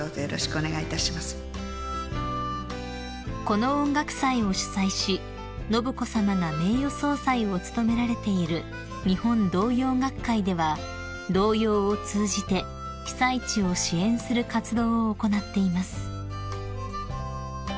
［この音楽祭を主催し信子さまが名誉総裁を務められている日本童謡学会では童謡を通じて被災地を支援する活動を行っています］